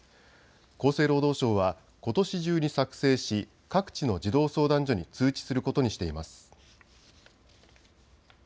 厚生労働省はことし中に作成し各地の児童相談所に通知することにしています。